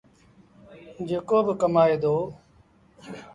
جيڪو با ڪمآئي دو۔